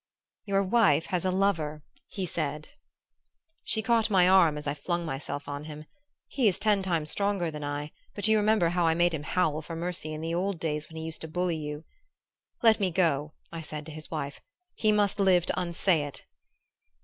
"'Your wife has a lover,' he said. "She caught my arm as I flung myself on him. He is ten times stronger than I, but you remember how I made him howl for mercy in the old days when he used to bully you. "'Let me go,' I said to his wife. 'He must live to unsay it.